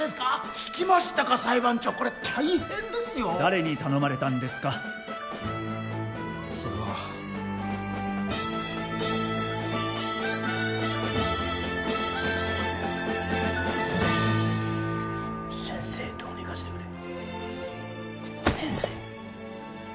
聞きましたか裁判長これ大変ですよ誰に頼まれたんですか？それは先生どうにかしてくれ先生！